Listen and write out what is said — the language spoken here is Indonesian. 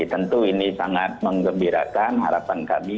tentu ini sangat mengembirakan harapan kami